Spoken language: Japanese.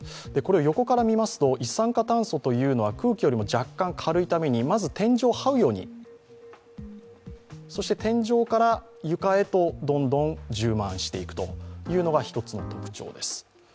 横からみますと一酸化炭素というのは空気よりも若干軽いためにまず天井をはうように、そして天井から床へとどんどん充満していくのが１つの特徴です。